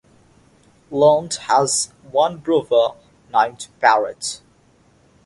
Lunde has one brother named Barrett.